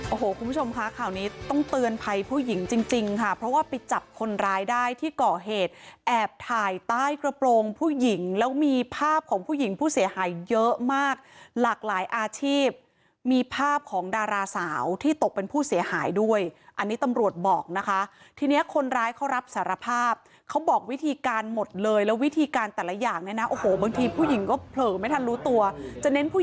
โอ้โหคุณผู้ชมค่ะข่าวนี้ต้องเตือนภัยผู้หญิงจริงจริงค่ะเพราะว่าไปจับคนร้ายได้ที่เกาะเหตุแอบถ่ายใต้กระโปรงผู้หญิงแล้วมีภาพของผู้หญิงผู้เสียหายเยอะมากหลากหลายอาชีพมีภาพของดาราสาวที่ตกเป็นผู้เสียหายด้วยอันนี้ตำรวจบอกนะคะทีนี้คนร้ายเขารับสารภาพเขาบอกวิธีการหมดเลยแล้ววิธีการแต่